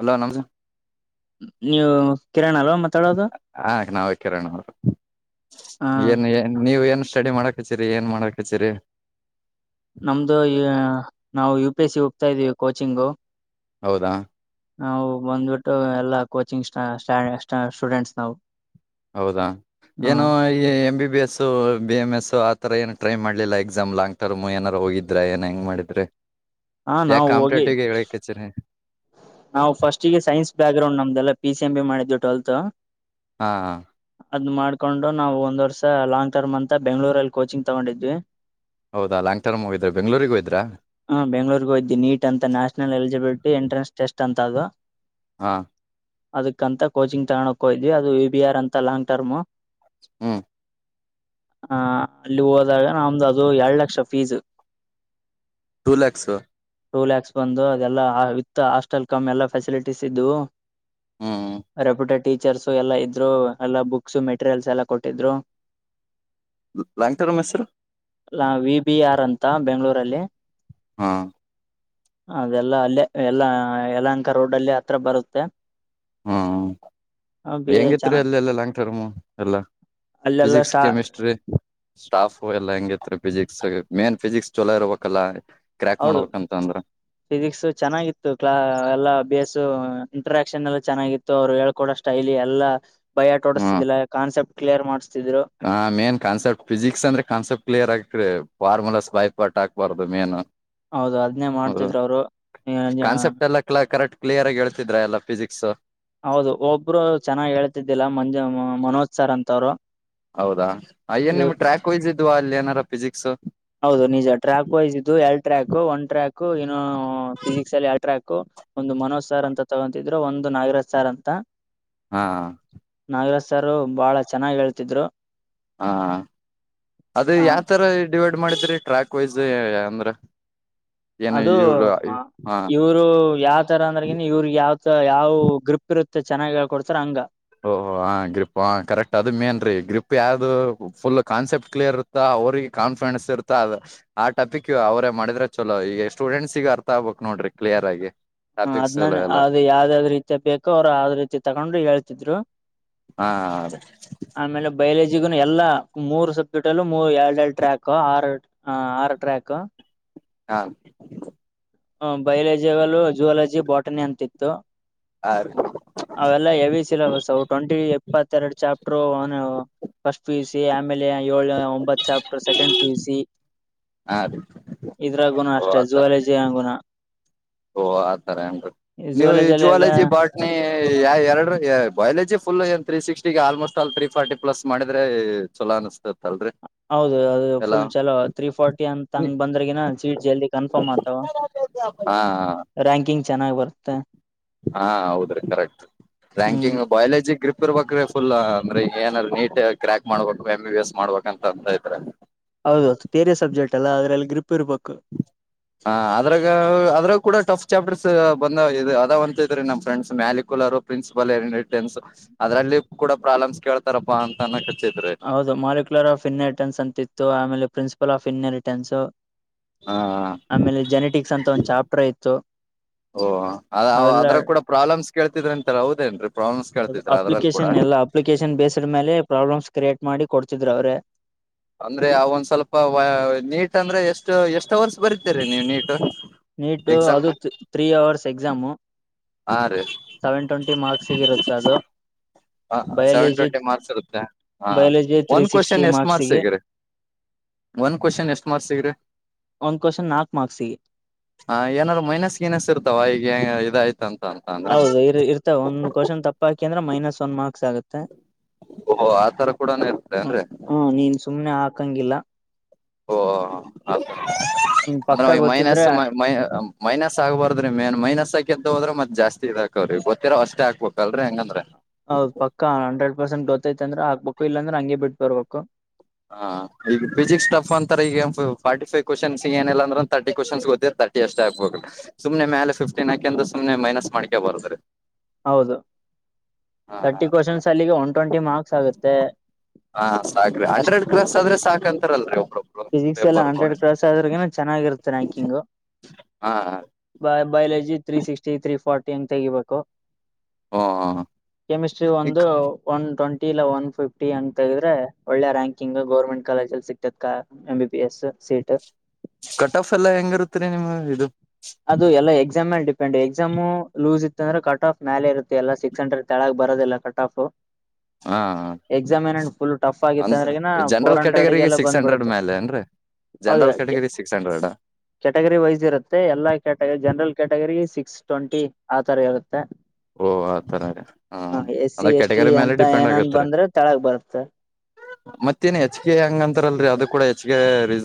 Hello ನಮಸ. ನೀವು ಕಿರಣ್ ಅಲ್ವಾ ಮಾತಾಡೋದು. ಹ ನಾವೇ ಕಿರಣ್ ಅವರು ಹ ಏನ್ ನೀವು ಏನ್. ಸ್ಟಡಿ ಮಾಡಕ್ ಹಚ್ಚೀರಿ ಏನ್ ಮಾಡಕ್ ಹಚ್ಚೀರಿ. ನಮ್ದು ನಾವು ಯು ಪಿ ಎಸ್ ಸಿ ಹೋಗ್ತಾ ಇದೀವಿ ಕೋಚಿಂಗು. ಹೌದಾ. ನಾವು ಬಂದ್ಬಿಟ್ಟು ಎಲ್ಲಾ ಕೋಚಿಂಗ್್ಟ್ಟ ಸ್ಟೂಡೆಂಟ್ಸ್ ನಾವು. ಹೌದಾ ಹ ಏನು ಈ A B. B S B M S ಆತರ ಏನು ಟ್ರೈ ಮಾಡ್ಲಿಲ್ಲ ಎಕ್ಸಾಮ್ ಲಾಂಗ್ ಟರ್ಮ್ ಏನಾರು ಹೋಗಿದ್ರೆ ಏನ ಹೆಂಗ ಮಾಡಿದ್ರೆ. ಹಾ ಏನ್ ನಾವು ಹೋಗಿ ಕಂಪ್ಯೂತಿಟಿವ್ ಹೇಳಕ್ ಅಚ್ರಿ. ನಾವು ಫಸ್ಟ್ಿಗೆ ಸೈನ್ಸ್ ಬ್ಯಾಕ್ ಗ್ರೌಂಡ್ ನಮ್ದಲ್ಲ ಪಿ ಸಿ ಎಂ ಬಿ ಮಾಡಿದ್ದು ಟ್ವೆಲ್ತ್. ಹಾ ಹ. ದ್ ಮಾಡ್ಕೊಂಡು ನಾವು ಒಂದ್ ವರ್ಷ ಲಾಂಗ್ ಟರ್ಮ್ ಅಂತ ಬೆಂಗಳೂರಲ್ಲಿ ಕೋಚಿಂಗ್ ತಗೊಂಡಿದ್ವಿ. ಹೌದಾ ಲಾಂಗ್ ಟರ್ಮ್ ಹೋಗಿದ್ರೆ ಬೆಂಗ್ಗಳೂರಿಗೆಗ ಹೋ ಇದ್ರಾ. ಹಾ ಬೆಂಗ್ೂರ್ಗೋಯ್ದ ನೀಟ್ ಅಂತ ನ್ಯಾಷನಲ್ ಎಲಿಜಿಬಿಲಿಟಿ ಎಂಟೆನ್ಸ್ ಟೆಸ್ಟ್ ಅಂತ ಅದು. ಹಾ. ಅದಕ್ಕಂತ ಕೋಚಿಂಗ್ ತಗೊಂಡಕ್ ಹೋದ್ವಿ ಅದು ಯ ಬಿ ಆರ್ ಅಂತ ಲಾಂಗ್ ಟರ್ಮ್. ಹ್ಮ್. ಆಹ ಅಲ್ಲಿ ಹೋದಾಗ ನಮ್ದ ಅದು ಎರಡು lakh fees. Two ಲಲೆಕ್ಸ್. Two lakhs ಬಂದು ಅದೆಲ್ಲ ವಿತ್ ಹಾಸ್ಟೆಲ್ ಕಮ್ಮಿ ಎಲ್ಲಾ ಫೆಸಿಲಿಟೀಸ್ ಇದವು. ಹ್ಮ್ ರೆಪ್ಯುಟೆಡ್. ಟೀಚರ್ಸ್ ಎಲ್ಲಾ ಇದ್ರು ಎಲ್ಲಾ ಬುಕ್ಸ್ ಮೆಟೀರಿಯಲ್ಸ್ ಎಲ್ಲ ಕೊಟ್ಟಿದ್ರು. ಲಾಂಗ್ ಟರ್ಮ್ ಹೆಸರು ಅಲ್ಲಾ ವಿ ಬಿ ಆರ್ ಅಂತ ಬೆಂಗಗಳೂರಲ್ಲಿ. ಹಾ. ಅದೆಲ್ಲ ಅಲ್ಲೇ ಎಲ್ಲ ಯಏಲಂಕ ರೋಡ್ ಅಲ್ಲಿ ಹತ್ರ ಬರುತ್ತೆ. ಹ್ಮ ಬಿ ಹೆಂಗಿತ್ರಿ ಚೆನ್ನಾಗಿ ಅಲ್ಲ ಎಲ್ಲ ಲಾಂಗ್ ಟರ್ಮು ಎಲ್ಲಾ. ಅಲ್ಲೆಲ್ಲ ಫಿಸಿಿಕ್ಸ್ ಸ್ಟಾ ಕೆಮಿಸ್ಟ್ರಿ ಸ್ಟಾಫ್ ಎಲ್ಲ ಹೆಂಗತ್ರಿ ಫಿಜಿಕ್ಸ್ ಮೇನ್ ಫಜಿಕ್ಸ್ ಚಲೋ ಇರರುವಬೇಕಕ್ಕಲ್ಲ ಹೌದು ಫಿಸಿಕ್ಸ್ ಚೆನ್ನಾಗಿತ್ತು ಕ್ಲಾ ಎಲ್ಲಾ ಅಭ್ಯಾಸ ಇಂಟ್ರಾಕ್ಷನ್ ಎಲ್ಲ ಚೆನ್ನಾಗಿತ್ತು ಅವ್ರು ಹೇಳ್ಕೊಡೋ ಸ್ಟೈಲಿ ಎಲ್ಲ ಬಯಾಟೋಡಿಸ್ತಿದಿಲ್ಲ ಕಾನ್ಸೆಪ್ಟ್ ಕ್ಿಯರ್ ಮಾಡಸ್ ಹಾ ಮೇನ್ ಕಾನ್ಸೆಪ್ಟ ಫಿಸಿಕ್ಸ್ ಅಂದ್ರೆ ಕಾನ್ಸೆಪ್ ಕ್ಲಿಯರ್ ಆಗ್ತರಿ ಫಾರ್ಮುಲಸ್ ಬೈಪಾಟ್ ಹಾಕ್ಬಾರ್ದು ಮೇನು ಹೌದು ಅದ್ನೇ ಹೌದು ಮಾಡ್ತಿದ್ರು ಅವರು ಕಾನ್ಸೆಪ್ಟ್ ಎಲ್ಲ ಕಲ ಕರೆಕ್ಟ್ ಕ್ಲಿಯರ್ ಆಗ ಹೇಳ್ಿದ್ರ ಎಲ್ಲ ಫಿಸಿಕ್ಸ್ ಹೌದು ಒಬ್ರು ಚೆನ್ನಾಗ್ ಹೇಳ್ತಿದ್ದಿಲ್ಲ ಮಂಜು ಮನೋಜ್ ಸರ್ ಅಂತವ್ರು ಹೌದಾ ಅಯ್ಯನ್ ಇವ್ ನಿಮ್ ಟ್ರ್ಯಾಕ್ ವೈಸ್ ಇದ್ವಾ ಅಲ್ಲಿ ಏನಾರ ಫಿಸಿಕ್ಸ್ ಹೌದು ನಿಜ ನ್ನು ಫಿಸಿಕ್ಸ್ ಅಲ್ಲಿ ಅಲ್ಟ್ರಾ ಹಕು ಒಂದು ಮನೋಜ್ ಸಾರ್ ಅಂತ ತಗೊತಿದ್ರು ಒಂದು ನಾಗರಾಜ್ ಸಾರ್ ಅಂತ ಹಾ ನಾಗರಾಜ್ ಸಾರ ಬಹಳ ಚೆನ್ನಾಗಿ ಹೇಳ್ತಿದ್ರು ಹಾ ಅದು ಆ ಯಾವ ತರ ಡಿವೈಡ್ ಮಾಡಿದ್ರಿ ಟ್ರ್ಯಾಕ್ ವೈಸ್ ಅಂದ್ರ ಏನು ಅದು ಇವರು ಆ, ಇವ್ರು ಯಾವ್ ತರ ಅಂದ್ರಗನ ಇವ್ರ ಯಾವ್ತ ಯಾವ್ ಗ್ರೂಪ್ ಇರುತ್ತೆ ಚೆನ್ನಾಗಕ ಕೊಡ್ತಾರ ಹಂಗ ಓಹ ಹ ಗ್ರಿಪ್ ಹ ಕರೆಕ್ಟ್ ಅದು ಮೇನ್ ರೀ ಗ್ರಿಪ್ ಯಾವ್ದು ಫುಲ್ ಕಾನ್ಸೆಪ್ಟ್ ಕ್ಲಿಯರ್ ಇರುತ್ತಾ ಅವ್ರಿಗೆ ಕಾನ್ಫಿಡೆನ್ಸ್ ಇರ್ತದೆ ಆಟಪಿಕ್ ಅವರೇ ಮಾಡಿದ್ರೆ ಚಲೋ ಈಗ ಸ್ಟೂಡೆಂಟ್ಸ್ ಗ ಅರ್ಥ ಆಗ್ಬೇಕು ನೋಡಿ ನೋಡ್ರಿ ಕ್ಲಿಯರ್ ಆಗಿ ಹ ಟಾಪಿಕ್ಸ್ ಎಲ್ಲ ಅದ್ನನ್ ಎಲ್ಲ ಅ್ ಯಾವ್ದ ಯಾವ್ ರೀತ ಬೇಕೋ ಅವ್ರು ಯಾವ್ದ್ ರೀತಿ ತಕೊಂಡ್ರು ಹೇಳ್ತಿದ್ರು ಹಾ ಹೌದ ಗ ಎಲ್ಲಾ ಮೂರು ಸಬ್ಜೆಕ್ಟ್ಲ್ಲೂ ಮೂ ಎರಡು ಎರಡ್ ಟ್ರ್ಯಾಕ್ ಆರು ಆರ್ ಟ್ರ್ಯಾಕ್ ಹಾ ಹ್ಮ ಬಯಲಜಿಲ್ಲ ಜುವಲಜಿ ಬಾಟನಿ ಅಂತಿತ್ತು ಹ ಅವೆಲ್ಲ ಎವಿ ಸಿಲೆಬಸ್ ಅವು ಟ್ವೆಂಟಿ ಎಪ್ಪತ್ತೆರಡು chapter first P U C ಆಮೇಲೆ ಏಳ ಒಂಬತ್ chapter second P U C ಹಾ ರೀ ಓ ಅಷ್ಟ ಆತರ ಜುುವಾಲಜಿ ಆಂಗುಣ ಓ ಆಥರ ನ್ು ನೀವು ಈ ಜುವಾಲಜಿಯಲ್ಲಿ ಎಲ್ಲ ಜುವಾಲಜಿ ಬಟ್ನ ಎರಡು ಬಯಾಲಜಿ ಫುಲ್ ಏನ್ ತ್ರೀ ಸಿಕ್ಸ್ಟಿ ಆಲ್ಮೋಸ್ಟ್ ಅಲ್ ತ್ರೀ ಫಾರ್ಟಿ ಪ್ಲಸ್ ಮಾಡಿದ್ರೆ ಚಲೋ ಅ ಅಸ್ತತ್ ಅಲ್ರರಿ ಹೌದು ಅದು ಫುಲ್ ಚಲೋ ತ್ರೀ ಫೋರ್ಟಿ ಅಂತಂಗ ಬಂದ್ರಗಿನ ಸೀಟ್ ಜಲ್ದಿ ಕನ್ಫರ್ಮ್ ಆತಾವ ಹಾ ರ್ಯಾಂಕಿಂಗ್ ಚೆನ್ನಾಗ್ ಬರುತ್ತೆ ಹಾ ಹೌದ್ರೀ ಕರೆಕ್ಟ್ ಹ್ಮ್ ರ್ಯಾಂಕಿಂಗ್ ಬಯಾಲಜಿ ಗ್ರಿಪ್ ಇರ್ಬ್ರ ಫುಲ್ ಅಂದ್ರೆ ಏನಾದಾರ ನೀಟ್ ಕ್ರ್ಯಾಕ್ ಮಾಡ್ಬೇಕು ಎಮ್ ಬಿ ಬಿ ಎಸ್ ಮಾಡ್ಬೇಕ ಅಂತ ಅಂತತ್್ರ ಹೌದು ಥಿಯರಿ ಸಬ್ಜೆಕ್ಟ್ ಅಲ್ಲ ಅದ್ರಲ್ಲಿ ಗ್ರಿಪ್ ಇರ್ಬೇಕು ಹ ಅದ್ರಾಗ ಅದ್ರಾಗ ಕೂಡ ಟಫ್ ಚಾಪ್ಟರ್ಸ್ ಬಂದ ಇ ಅದ ಅಂತ ಇದ್ರೀ ನಮ್ ಫ್ರೆಂಡ್ಸ್ ಮ್ಯಾಲಿಕುಲರ್ ಪ್ರಿನ್ಸಿಪಲ್ ಏೆನ್ಸ್ ಅದರಲ್ಲಿ ಸ್ಪ್ ಕೂಡ ಪ್ರಾಬ್ಲಮಸ್ ಕೇಳ್ತಾರಪ್ಪಾ ಅಂತ ಅ ಹೌದು ಮಾಲ್ಕ್ಯುಲರ್ ಆಫ್ ಇನ್ನರಿಟನ್ಸ್ ಅಂತಿತ್ತು ಆಮೇಲೆ ಪ್ರಿನ್ಸಿಪಲ್ ಆಫ್ ಇನ್ನರಿಟನ್ಸ್ ಹಾ ಆಮೇಲೆ ಜೆನೆಟಿಕ್ಸ್ ಅಂತ ಒಂದ್ ಚಾಪ್ಟರ್ ಇತ್ತು ಓಹ ಅದ ಅವೆಲ್ಲ ಅದ್ರ ಕೂಡ ಪ್ರಾಬ್ಲಮ್ಸ್ ಕೇಳ್ತಿದ್ರ ಅಂತರ ಹೌದೇನ್ರೀ ಅಪ್ಲಿಕೇಶನ್ ಎಲ್ಲಾ ಅಪ್ಲಿಕೇಶನ್ ಬೇಸ್ಡ್ ಮೇಲೆ ಪ್ರಾಬ್ಲಮ್ಸ್ ಕ್ರಿಯೇಟ್ ಮಾಡಿ ಕೊಡ್ತಿದ್ರು ಅವ್ರೆ ಅಂದ್ರೆ ಅವ ಒಂದ್ ಸ್ವಲ್ಪ ನೀಟ್ ಅಂದ್ರೆ ಎಷ್ಟು ಎಷ್ಟ ವರ್ಷ ಬರಿತೀರಿ ನೀವ್ ನೀಟ್ ನೀಟು ಎಕ್ಸಾಮ್ ಅದು ತ್ರೀ ಅವರ್ಸ್ ಎಕ್ಸಾಮು ಹಾ ರೀ ಸೆವೆನ್ ಟ್ವೆಂಟಿ ಮಾರ್ಕ್ಸ್ಗಿರುತ್ತೆ ಅದು [inaudible] ಹ ಸೆವೆನ್ ಬಯಾಲಜಿ ಟ್ವೆಂಟಿ ಮಾರ್ಕ್ಸ್ ಇರುತ್ತೆ ಹ ಬಯಾಲಜಿ ತ್ರೀ ಒಂದ್ ಸಿಕ್ಸ್ಟಿ ಕ್ವಶನ್ ಎಷ್ಟ್ ಮಾರ್ಕ್ಸ್ ಗೆ ಹೇಗಿರಿ ಒಂದ ಕ್ವಶನ್ ಎಷ್ಟ ಮಾರ್ಕ್ ಸಿಗ್ರಿ ಒಂದ್ ಕ್ವಶನ್ ನಾಲ್ಕು ಮಾರ್ಕ್ಸ್ ಗೆ ಹ ಏನಾದ್ರು ಮೈನಸ್ ಗಿನಸ್ ಇರ್ತವ ಈಗ ಇದಯ್ತ ಹೌದು ಇ ಇರ್ತವೆ ಒಂದ್ವಶನ್ ತಪ್ಪ ಹಾಕಿ ಅಂದ್ರೆ ಮೈನಸ್ ಒಂದ ಮಾರ್ಕ್ ಓಹೋ ಆತರ ಕೂಡನು ಇರುತ್ತೆ ಏನ್ರಿ ನೀನ್ ಸುಮನೆ ಹಾ ಹಕಂಗಿಲ್ಲ ಓ ಅ [unintelligible] ನಿನ್ ಅಂದ್ರ ಪಕ್ಕ ಮೈನಸ್ ಗೊತ್ತಿದ್ರೆ ಮೈನಸ್ ಆಗ್ಬಾರ್ದ್ರಿ ಮ ಮೈನಸ್ಕ ಎದ್ದ ಹೋದ್ರೆ ಮತ್ತೆ ಜಾಸ್ತಿ ಇದಾಕವ್ರಿ ಗೊತ್ತಿರಾ ಅಷ್ಟೇ ಹಕ್ಬೇಕ ಅಲ್ರರಿ ಹೆಂಗಂದ್ರೆ ಹೌದ್ ಪಕ್ಕ ಹಂಡ್ರೆಡ್ ಪರ್ಸೆಂಟ್ ಗೊತ್ತೈತಂದ್ರೆ ಆಗ್ಬೇಕು ಇಲ್ಲಾಂದ್ರೆ ಹಂಗಗೆ ಬಿಟ್ಟ ಬರ್ಬೇಕು ಹಾ ಈ ಫಸಿಸಿಕ್ ಟಫ್ ಅಂತ ಈಗ ಫಟಿವ್ವ್ನ್ಸ್ ಏನಿಲ್ಲ ಅಂದ್ರ ತರ್ಟಿ್ಶ್ನ್ಸ್ ಗೊತ್ತಿತ ತರ್ಟಿ ಅಷ್ಟೇ ಆಗ್ಬಬೇಕು ಸು್ನೆ ಮೇಲೆ ಫಿಫ್ಟೀನ್ ಹಾಕೆಂದ್ರ ಸುಮ್ನೆ ಮೈನಸ್ ಮಾಡಕ ಬಾರಾರೆ ಹೌದು ತರ್ಟಿ ಕ್ವಶನ್ಸ್ ಅಲ್ಲಿಗೆ ಒನ್ ಟ್ವೆಂಟಿ ಮಾರ್ಕ್ಸ್ ಆಗುತ್ತೆ ಹಾ ಸಾಕ್ರಿ ಅಷ್ಟ್ ಹಂಡ್ರೆಡ್ ಗ್ಲಸ್ ಆದ್ರೆ ಸಾಕಂತ ಫಿಸಿಕ್ಸ್ ಎಲ್ಲ ಹಂಡ್ರೆಡ್ ಕ್ರಾಸ್ ಆದ್ರಗ ಚೆನ್ನಾಗಿರುತ್ತೆ ರ್ಯಾಂಕಿಂಗು ಹಾ ಬ biology three sixty three forty ಅಂತ ತೆಗಿಬೇಕು ಹ ಕೆಮಿಸ್ಟ್ರಿ ಈ ಒಂದು ಒನ್ ಟ್ಂಟಿ ಒನ್ ಫಿಫ್ಟಿ ಅಂತ ಹೇಳಿದೆ ಒಳ್ಳೆ ರ್ಯಾಂಕಿಂಗ್ ಗೌರ್ಮೆಂಟ್ ಕಾಲೇಜ ಅಲ್ಲಿ ಸಿಕ್ತತ್ ಕಾ M B B S seat cut off ಎಲ್ಲಾ ಹೆಂಗ ಇರುತ್ತರಿ ನಿಮ್ಗೆ ಇದು ಅದು ಎಲ್ಲಾ ಎಕ್ಸಾಮ್ಲ್ಲಿ ಡಿಪೆಂಡ್ ಎಕ್ಸಾಮು ಲೂಸ್ ಇ ಇಂದ್ರೆ ಕಟ್ ಆಫ್ ಮಾಲಲೆ ಇರುತ್ತೆ ಎಲ್ಲ ಸಿಕ್ಸ್ ಹಂಡ್ರೆಡ್ ತೆಳಗ್ ಬರೋದಿಲ್ಲ ಕಟ್ ಆಫ್ ಹಾ ಎಕ್ಸಾಮ್ ಏನೇನು ಫುಲ್ ಟಫ್ ಆಗಿತ್ತ ಅಂದ್ರ ಅಂದ್ರೆನ ಫೋರ್ ಜನರಲ್ ಕ್ಯಾಟಗರಿಗೆ ಹಂಡ್ರೆಡ್ಗೆಲ್ಲ ಸಿಕ್ಸ್ ಹಂಡ್ರೆಡ್ ಬಂದ್ಬಿಡುತ್ತೆ ಮೇಲೆ ಏನ್ರೀ ಹೌದ general category six hundred category wise ಇರುತ್ತೆ ಎಲ್ಲ category general category six twenty ಆ ತರ ಇರುತ್ತೆ ಓ ಆತರ ರೀ ಹ್ಮ ಹ ಎಸ್ಸ ಅದ್ರ ಎಸ್ಟಿ ಕ್ಯಾಟಗರಿ ಮೇಲೆ ಅಂತ ಡಿಪೆಂಡ್ ಏನನ್ ಆಗತ್ರಿ ಬಂದ್ರೆ ತಳಗ ಬರುತ್ತ ಮತ್ತೇನ್ ಹೆಚ್ಗೆ ಹೆಂಗಂತಾರಲ್ರಿ ಅದು ಕೂಡ ಹೆಚ್ಗೆ ರೀ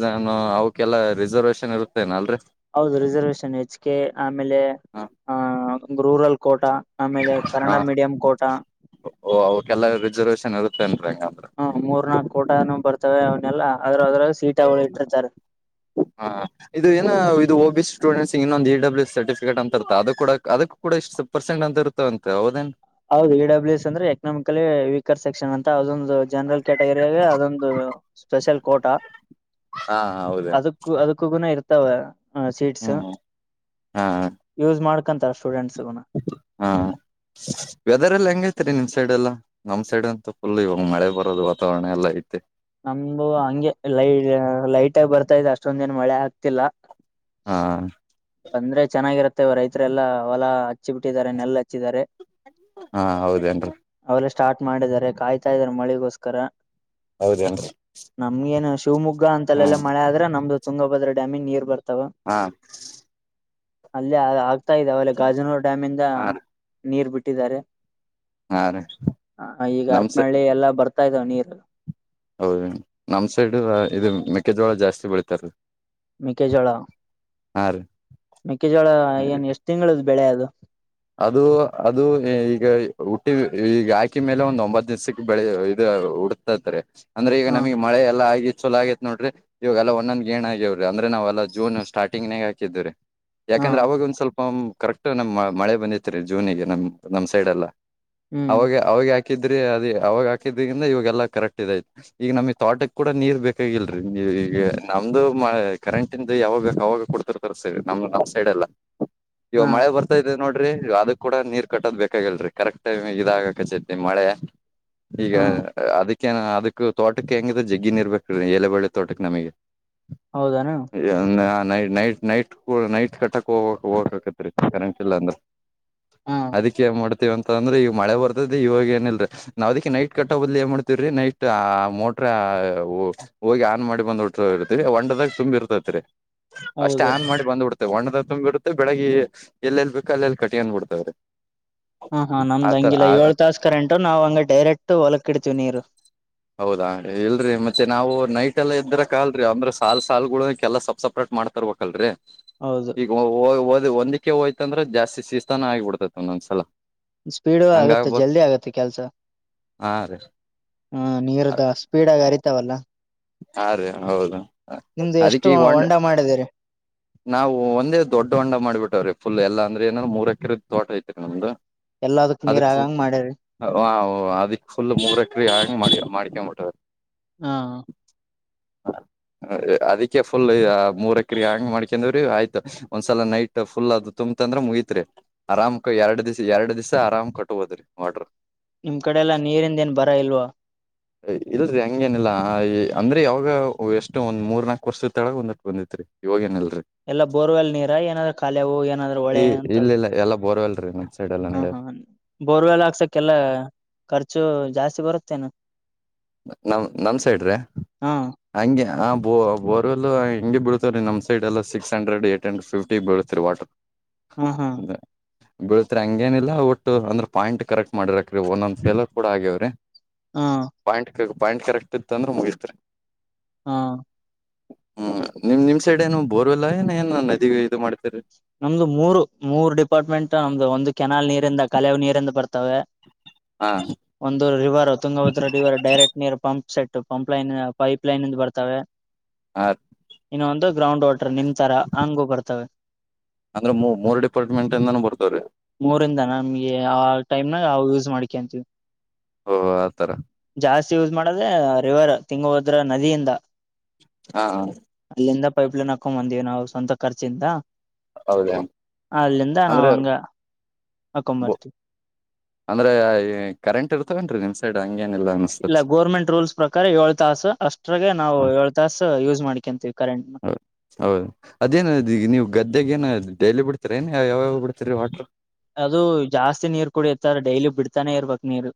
ಅವಕಲ್ಲಾ ರಿಸರ್ವೇೇಶನ್ ಇರುತ್ತ ಅನಲ್ರಿ ಹೌದು ರಿಸರ್ವೇಶನ್ ಹೆಚ್ ಕೆ ಆಮೇಲೆ ಹ ಆ ರೂರಲ್ ಕೋಟ ಆಮೇಲೆ ಕನ್ನಡ ಮೀಡಿಯಂ ಕೋಟ ಓ ಅವಕ್ಕೆಲ್ಲ ರಿಸರ್ವೇೇಶನ್ ಇರುತ್ತೆನ್ ಹೆಂಗ ಅಂದ್ರ ಹ ಮೂರ್ನಾಾಲ್ಕು ಕೋಟಾನು ಬರ್ತವೆ ಅವನ್ನಲ್ಲ ಹಾ ಇದು ಏನ ಇದು ಒ ಬಿ ಸಿ ಸ್ಟೂಡೆಂಟ್ಸ್ ಇನ್ನೊಂದು ಇ ಬ್ಲ್ಯ ಸರ್ಟಿಫಿಕಟ್ ಅಂತ ಇ ಅದು ಕೂಡ ಅದಕ್ಕೂ ಇಷ್ಟ ಪಾರ್ಸೆಟ್ ಅಂತ ಇತ್ತ ಅಂತ ಹದೇನ್ ಹೌದು ಇಡಬ್ಲ್ಯೂ ಎಸ್ ಅಂದ್ರೆ ಎಕನಾಮಿಕಲಿ ವೀಕರ್ ಸೆಕ್ಷನ್ ಅಂತ ಅದೊಂದು ಜನರಲ್ ಕ್ಯಾಟಗರಿಗ ಅದೊಂದು ಸ್ಪೆಷಲ್ ಕೋಟ ಹಾ ಹೌದು ಅದಕ್ಕ ಅದಕ್ಕ ಇ ಇತವೆ ಚೀಟ್ಸ್ ಹ್ಮ್ ಹಾ ಯೂಸ್ ಮಾಡ್ಕೊಂತಾರ ಸ್ಟೂಡೆಂಟ್ಸ್ ಹಾ ವೆದರ್ ಎಲ್ಲ ಹೆಂಗ ಐತೆ ರರಿ ನಿಮ್ ಸೈಡ್ ಎಲ್ಲ ನಮ್ ಸೈಡ್ ಅಂತ ಫುಲ್ ಇವಾಗ ಮಳೆ ಬರೋದು ವಾತಾವರಣ ಎಲ್ಲ ಐತೆ ನಮ್ದು ಹಂಗೆ ಲೈ ಲೈಟ್ ಆಗ ಬರ್ತಾ ಇದೆ ಅಷ್ಟೊಂದ ದಿನ ಮಳೆ ಆಗ್ತಿಲ್ಲ ಹಾ ಅಂದ್ರೆ ಚೆನ್ನಾಗಿರುತ್ತೆ ಇ ರೈತರೆ ಎಲ್ಲ ಹೊಲ ಹಚ್ಚಿ ಬಿಿಟ್ಟಿದ್ದಾರೆ ನೆಲ್ ಹಚ್ಚಿದ್ದಾರೆ ಹಾ ಹೌದೇನ್ರಿ ಅವೆಲ್ಲ ಸ್ಟಾರ್ಟ್ ಮಾಡಿದ್ದಾರೆ ಕಾಯ್ತಾ ಇದಾರೆ ಮಳಿಗೋಸ್ಕರ ಹೌದೇನು ಶಿವಮೊಗ್ಗ ಅಂತಲ್ಲ ಮಳೆ ಆದ್ರೆ ನಮ್ದುಂಗಭದ್ರ ಡ್ಯಾಮಿಗೆ ನೀರ್ ಬತ್ತೆ ಹಾ ಅಲ್ಲೇ ಆಗ್ತಾ ಇದ ಅವಲ್ಲ ಗಾಜನೂರ್ ಡ್ಯಾಮ ಇಂದ ಹಾ ರೀ ನೀರ್ ಬಿಟ್ಟ ಇಟ್ಟ ಹಾ ರೀ ಹ ಈಗ ನಮ್ ಸೈ ಅರಪನಹಳ್ಳಿ ಎಲ್ಲ ಬರ್ತಾ ಇದಾವ ನೀರ ಹೌದ ನಮ್ ಸೈಡ್ ಇದು ಮೆಕ್ಕೆಜೋಳ ಜಾಸ್ತಿ ಬೆಳಿತಾರ ಮೆಕ್ಕೆೆಜೋಳ ಮೆಕ್ಕೆೆಜೋಳ ರೀ ಏನ್ ಎಷ್ಟ್ ತಿಂಗಳದ ಬೆಳೆ ಅದು ಅದು ಅದು ಈಗ ಹುಟ್ಟಿ ಈಗ ಹಾಕಿ ಮೇಲೆ ಒಂದ್ ಒಂಬತ್ ದಿವ್ಸಕ್ಕೆ ಬೆಳ ಇದು ಉಡ್ತಾತಾರೆ ಅಂದ್ರೆ ಈಗ ಹ ನಮಗೆ ಮಳೆ ಎಲ್ಲ ಆಗಿ ಚಲ ನೋಡ್ರಿ ಇವಾಗ ಎಲ್ಲ ಒಂದೊಂದ್ ಗಏನ್ ಆಗ್ಯವ್ರಿ ಅ್ರ ನಾವೆಲ್ಲ ಜೂನ್ ಸ್ಟಾರ್ಟಿಂಗ್ ನೇ ಹಾಕಿದ್ರಿ ಯಾಕಂದ್ರೆ ಹ್ಮ್ ಅವಾಗ ಒಂದ್ ಸ್ವಲ್ಪ ಕರೆಕ್ಟ್ ನಮ್ ಮಳೆ ಬಂದಿತ್ರಿ ಜೂನಿಗೆ ನಮ್ ನಮ್ ಸೈಡ್ ಎಲ್ಲಾ ಹ್ಮ್ ಅವಾಗ ಅವಾಗ ಯಾಕೆ ಹಾಕಿದ್ರಿ ಅದ ಅವಾಗ ಹಾಕಿದಿಂದ ಇವಾಗೆಲ್ಲ ಕರೆಕ್ಟ್ ಇದೈತ್ ಈಗ ನಮ್ ತೋಟಕ್ ಕೂಡ ನೀರ್ ಬೇಕಾಗಿಲ್ರರಿ ನೀ ಈಗ ನಮ್ದು ಕರೆಂಟ ಇಂದು ಯಾವಾಗ ಅವಾವಾಗ ಕೊಡ್ತಿರ್ತಾರೆ ಸರಿ ನಮ್ ನಮ್ ಸೈಡೆಲ್ಲ ಇವ ಹಾ ಮಳೆ ಬರ್ತಾ ಇದದೆ ನೋಡ್ರಿ ಅದ ಕೂಡ ನೀರ್ ಕಟ್ಟೋದ್ ಬೇಕಾಗಿಲ್ರರಿ ಕರೆಕ್ಟ್ ಟೈಮ್ ಇದಾಗಕಚತಿ ಮಳೆ ಈಗ ಹಾ ಅದಕ್ಕ ಏನ ಅದಕ್ ತೋಟಕ್ಕೆ ಹೆಂಗಿದೆ ಜಿಗ್ಗನ್ ಇರ್ಬೇಕ ರೀ ಎಏಲೆಬಳ್ಳೆ ತೋಟಕ್ಕೆ ನಮಗೆ ಹೌದಾನ ಎಂಗ ನೈ ನೈಟ್ ನೈಟ್ ನೈಟ್ ಕಟ್ಟಕ್ ಹೋಗ ಹೋಗಕಕತ್ ರೀ ಕರೆಂಟ್ ಇಲ್ಲ ಅಂದ್ರೆ ಹಾ ಅದಿ ಏನ್ ಮಾಡ್ತತಿವ ಅಂತ ಅಂದ್ರೆ ಈಗ ಮಳೆ ಬರ್ತದದೆ ಇವಾಗ ಏನಲ್ ನಾವ್ ಅದಕ್ಕೆ ನೈಟ್ ಕಟ್ಟ ಬದಲಿ ಏನ್ ಮಾಡ್ತತಿವ ನೈಟ್ ಆ ಮೋಟ್ರ ಹೋಗಿ ಆನ್ ಮಾಡಿ ಬಂದ್ ಉಟ ಇರ್ತರಿ ಒಂಡದಾಗ ಸುಂಬಿ ಇರ್ತೈತ್ರಿ ಅಷ್ಟೇ ಹೌದು ಆನ್ ಮಾಡಿ ಬಂದ್ಬಿಡ್ತವೆ ಒಣ್ಣದ ತುಂಬಿ ಇರುತ್ತೆ ಬೆಳಿಗ್ಗೆ ಎಲ್ಲೆಲ್ ಬೇಕಾ ಅಲ್ಲೆಲ್ಲಿ ಕಟಿಯನ್ ಬಿಡ್ತಾವ್ರೀ ಹಾ ಹಾ ನಮ್ದ್ ಹಂಗಿಲ್ಲ ಏಳ್ ತಾಸ ಕರೆಂಟು ನಾವ್ ಹಂಗ ಡೈರೆಕ್ಟ್ ಹೊಲಕ್ ಇಡ್ತೀವಿ ನೀರು ಹೌದಾ ಇಲ್ರಿ ಮತ್ತೆ ನಾವು ನೈಟ್ ಎಲ್ಲ ಇದ್ರಕ ಅಲ್ರಿ ಅಂದ್ರೆ ಸಾಲ್ ಸಾಲ್ಗಳಕ ಎಲ್ಲ ಸಪ್ ಸಪ್ರೇಟ್ ಮಾಡ್ತರ್ಬೇಕಲ್ರರಿ ಹೌದು ಈಗ್ ಒಂದಕ್ಕೆ ಹೋಯ್ತಂದ್ರೆ ಜಾಸ್ತಿ ಶಿಸ್ತಾನ ಆಗಿಬಿಡ್ತತಿ ಒಂದೊಂದ್ಸಲ ಸ್ಪೀಡು ಹಂಗ ಆಗತ್ತೆ ಆಗ್ಬಾರ್ದ ಜಲ್ದಿ ಆಗತ್ತೆ ಕೆಲ್ಸ ಹಾ ರೀ ಹಾ ನೀರುದ ಸ್ಪೀಡ್ ಆಗ ಅರಿತಾವಲ್ಲ ಹಾ ರೀ ಹೌದು ನಿಮ್ದು ಎಷ್ಟು ಅದಿಕ್ಕೆ ಈಗ ಹೊಂಡೆ ಹೊಂಡ ಮಾಡಿದಿರಿ ನಾವವು ಒಂದೇ ದೊಡ್ಡ ಹಂಡ ಮಾಡ್ಬಿಟ್ಟವ್ರಿ ಫುಲ್ ಎಲ್ಲ ಅಂದ್ರ ಏಾದ್ ಮೂರ್ ಎಕರೆ ತೋಟ ಐತಿರಿ ನಮ್ದು ಎಲ್ಲದಕ್ ಅದ ನೀರ್ ಆಗಂಗ ಮಾಡ್ಯರಿ ಅದಿ ಫುಲ್ ಮೂರ್ ಎಕರೆ ಆಾಗ ಮಾಡಿ ಮಾಡ ಮಟ್ಟರ್ ಹಾ ಹಾ ಅದಕ್ಕೆ ಫುಲ್ ಮೂರ್ ಎಕರೆ ಹಂಗ್ ಮಾಡ್ಕೊಂಡವ್ರೀ ಆಯ್ತು ಒಂದ್ಸಲ ನೈಟ್ ಫುಲ್ ಅದು ತುಂಬತ್ ಅಂದ್ರೆ ಮುಗತ್ರಿ ಆರಾಮ್ ಎರಡ್ ದ್ ಎರಡ್ ದಿವ್ಸ ಆರಾಮ್ ಕಟ್ಟ ಹೋದ್ರಿ ವರ್ಡ್ರ ನಿಮ್ ಕಡೆ ಎಲ್ಲಾ ನೀರಿಂದೇನ್ ಬರ ಇಲ್ವಾ ಇಲ್ರರಿ ಹಂಗೇನಿಲ್ಲ ಅಂದ್ರೆ ಯಾವಾಗ ಎಷ್ಟು ಒಂದ್ ಮೂರ್ ನಾಕ್ವರ್ಷದ ತೊಳಗ ಒಂದಟ್ಟು ಬಂದಿತ್ತುತ್ತು ಇವಾಗೇನಿಲ್ಲಲ್ಲ ಎಲ್ಲ ಬೋರ್ವೆಲ್ ನೀರ ಏನಾದ್ರ ಖಾಲಿ ಹೂವು ಏನಾದ್ರೂ ಈ ಹೊಳೆ ಅಂತ ಇಲ್ಲ ಇಲ್ಲ ಎಲ್ಲಾ ಬೋರ್ವೆಲ್ರಿ ನಮ್ ಸೈಡ್ ಎಲ್ಲಾ ಹಾ ನಡ ಹಾ ಬೋರ್ವೆಲ್ಲ ಹಾಕ್ಸಕ್ಕೆಲ್ಲ ಖರ್ಚು ಜಾಸ್ತಿ ಬರುತ್ತೆ ನೆ ನಮ ನಮ್ ಹಾ ಸೈಡಹಂಗೆ ಹ ವರೆ ಎಲ್ಲ ಹಿಂಗಗೆ ಬೀಳ್ತವ ರೀ ನಮ್ ಸೈಡ್ ಎಲ್ಲ ಸಿಕ್ಸ್ ಹಂಡ್ರಡ್ಏಟ್ ಹಂಡ್ರೆ ಫಿಫ್ಟಿ ಬೀಳ್ತರಿ ವಾಟರ್ ಹಾ ಹಾ ಬೀಳ್ತ್ರಿ ಹಂಗೇನಿಲ್ಲ ಒಟ್ಟು ಅಂದ್ರ ಪಾಯಿಂಟ್ ಕರೆಕ್ಟ್ ಮಾಡಿರಕ್ ಒಂದೊಂದ್ ಫೇಲರ್ ಕೂಡ ಆಗ್ಯವ್ರಿ ಹಾ ಪಾಯಿಂಟ್ ಕ ಪಾಯಿಂಟ್ ಕರೆಕ್ಟ್ ಇತ್ ಅಂದ್ರೆ ಮುಗತ್ರಿ ಹಾ ಹ್ಮ್ ನಿಮ್ ನಿಮ್ ಸೈಡ್ ನು ಬೋರ್ಲ್ಲ ಏನಏ ನದಿಗೆ ಇದು ಮಾಡ್ ನಮ್ದು ಮೂರು ಮೂರು ಡಿಪಾರ್ಟ್ಮೆಂಟ್ ನಮ್ದು ಒಂದು ಕೆನಾಲ್ ನೀರಿಂದ ಕಲೆವು ನೀರಿಂದ ಬರ್ತವೆ ಹಾ ಒಂದು river Tungabhadra river direct near pump set pump line pipe ಲೈನ್ಂದ ಬರ್ತವೆ ಹಾ ಇನ್ನೊಂದು ಗ್ರೌಂಡ್ ವಾಟರ್ ನಿಮ ತರ ಹಂಗು ಬರ್ತವೆ ಅಂದ್ರೆ ಮೂರ್ ಡಿಪಾರ್ಟ್ಮೆಂಟ್ ಇಂದಾನೂ ಬರ್ತವ್ರಿ ಮೂರಿಂದ ನಮ್ಗೆ ಆ ಟೈಮನಾ ಯವಾಗ ಯಸ್ ಮಾಡಿಕ ಅಂತಿವಿ ಓಹ ಆತರ ಚೋಸ್ ಮಾಡ್ರೆ ರಿವರ್ ತುಂಗವರ್ಧನ ನದಿಯಿಂದ ಹಾ ಎಂದ ಪೈಪ್ಲೈನ್ ಹಾಕೊಂಡ್ ಬಂದೀಿವವಿ ನಾವು ಸ್ವಂತ ಖರ್ಚಿಂದ ಹೌದ ಅಲ್ಲಿಂದ ನಾವಂಗ ಬ ಅಂದ್ರೆ ಕರೆಂಟ್ ಇರ್ತವನ್ರಿ ನಿನ್ ಸೈಡ್ ಹಂಗೇನಿಲ್ಲ ಇಲ್ಲ ಅನ್ಸ್ತತಿ ಗೋರ್ಮೆಂಟ್ ರೂಲ್ಸ್ ಪ್ರಕಾರ ಏಳ್ ತಾಸ ಅಷ್ಟ್ರಗೆ ನಾವು ಏಳ್ ತಾಸ ಯೂಸ್ ಮಾಡ್ಕಕಂತೀವಿವಿ ಹೌದ ಹೌದು ಅದೇನ ಈಗ ನೀವು ಗದ್ದೆೆಗೆ ಏನ ಡೈಲಿ ಬಿಡ್ತರಿ ಏ ಯಾವ ಬ ಬಿಡ್ತೀರಿ ವಾಟರ್ ಅದು ಜಾಸ್ತಿ ನೀರ್ ಕುಡಿಯತ್ತಾರ ಡೈಲಿ ಬಿಡ್ತಾನೆ ಇರ್ಬೇಕಕ್ ನೀರ್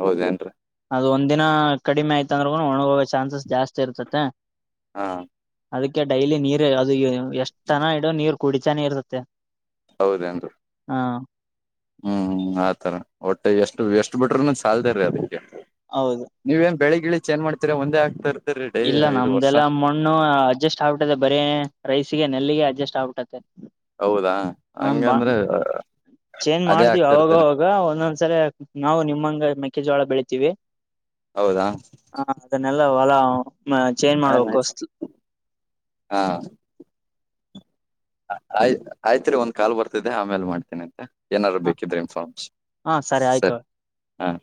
ಹೌದೇಏನ್ರಿ ಅದು ಒಂದ ದಿನ ಕಡಿಮೆ ಆಯ್ತ ಅಂದ್ರಗೂ ಒಣ ಹೋಗ್ವಾ ಚಾನ್ಸಸ್ ಜಾಸ್ತಿ ಇರ್ತತೆ ಹಾ ಅದಕ್ಕೆ ಡೈಲಿ ನೀರ್ ಅದು ಎಷ್ಟ್ ತನ ಇಡೋ ನೀರ್ ಕುಡಿತಾನೆ ಇರ್ತತ್ತೆ ಹೌದ ಎನ್ರಿ ಹಾ ಹ್ಮ್್ಮ್ ಆತರ ಒಟ್ಟೆ ಎಷ್ಟು ಎಷ್ಟ್ ಬಿಟ್ರು ನಂದ ಸಾಲಲ್ದೇ ರೀ ಅದೇ ಹೌದು ನೀವೇನ್ ಬೆಳಿಗ್ಗಿಳಿ ಚ ಏನ್ ಮಾಡ್ತೀರ ಒಂದೇ ಆಗ್ತಾರ ಇಲ್ಲ ನಮ್ದೆಲ್ಲಾ ಮಣ್ಣು ಅಡ್ಜಸ್ಟ್ ಆಗ್ಬಿಟ್ಟತೆ ಬರೀ ರೈಸಗೆ ನೆಲ್ಲಿಗೆ ಅಡ್ಜಸ್ಟ್ ಆಗ್ಬಿಟ್ಟತ್ತತೆ ಹೌದಾ ಹಂಗಂದ್ರೆ ಚೇಂಜ್ ಅದೇ ಮಾಡ್ತಿೀವಿ ಆಗ್ತಿರ್ತೀರ ಅವಾಗವಾಗ ಒಂದೊಂದ್ಸಲ ನಾವು ನಿಮ್ಮಂಗ ಮೆಕ್ಕೆಜೋಳ ಬೆಳಿತೀವಿ ಹೌದಾ ಅಲ ಚೇಂಜ್ ಮಾಡಬೇಕು ವಸ್ ಹಾ ಆಯ್ತ್ ಆಯ್ತ್ ರೀ ಒಂದ್ ಕಾಲ್ ಬರ್ತಿದ್ದೆ ಆಮೇಲೆ ಮಾಡ್ತೀನಿ ಅಂತೆ ಏನಾದುರು ಹ ಬೇಕಿದ್ರೆ ಇನ್ಫಾರ್ಮ್ಸ್ ಹಾ ಆಯ್ತು ಸರಿ ಹಾಂ